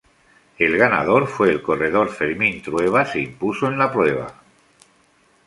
El ganador fue el corredor Fermín Trueba se impuso en la prueba.